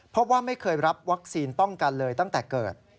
เพราะว่าไม่เคยรับวัคซีนป้องกันเลยตั้งแต่เกิด